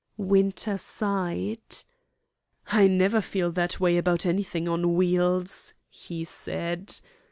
Winter sighed. "I never feel that way about anything on wheels," he said.